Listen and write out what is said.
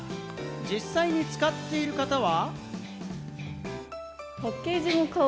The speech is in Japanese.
実際に使っている方は。